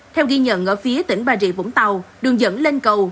theo ghi nhận ở phía tỉnh bà rịa vũng tàu đường dẫn lên cầu